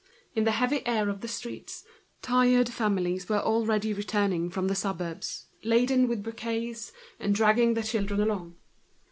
In the heavy air of the streets, tired families were already returning from the suburbs, loaded with bouquets, dragging their children along.